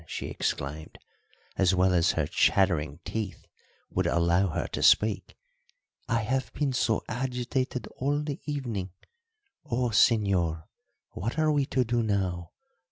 she exclaimed, as well as her chattering teeth would allow her to speak. "I have been so agitated all the evening! Oh, señor, what are we to do now?